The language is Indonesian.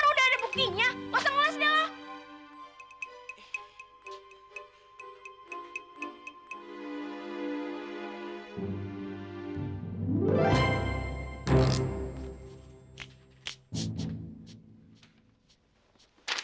oh udah ada buktinya langsung ngulasin dia loh